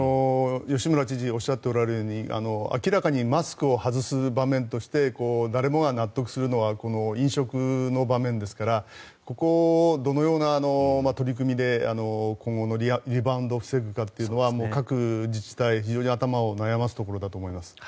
吉村知事がおっしゃっておられるように明らかにマスクを外す場面として誰もが納得するのはこの飲食の場面ですからここをどのような取り組みで今後のリバウンドを防ぐかというのは各自治体非常に頭を悩ませるところだと思います。